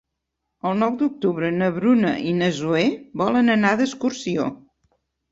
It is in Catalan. El nou d'octubre na Bruna i na Zoè volen anar d'excursió.